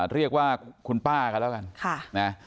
เรียกว่าคุณป้ากันแล้วกัน